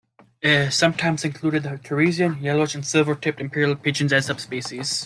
It has sometimes included the Torresian, yellowish and silver-tipped imperial pigeons as subspecies.